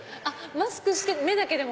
マスクして目だけでも？